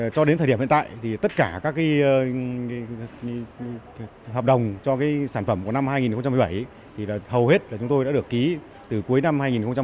cho đến thời điểm hiện tại tất cả các hợp đồng cho sản phẩm của năm hai nghìn một mươi bảy hầu hết chúng tôi đã được ký từ cuối năm hai nghìn một mươi sáu